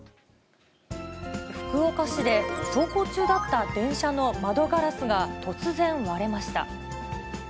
福岡市で走行中だった電車の窓ガラスが突然割れました。